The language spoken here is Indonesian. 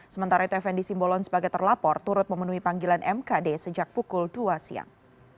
sementara itu fnd simbolon sebagai terlapor turut memenuhi panggilan mkd sejak pukul dua siang